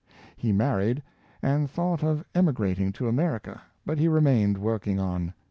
He married, and thought of emigrating to America; but he remained working on.